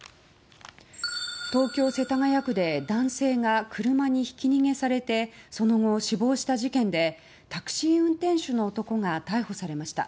東京・世田谷区で男性が車にひき逃げされてその後、死亡した事件でタクシー運転手の男が逮捕されました。